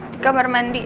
di kamar mandi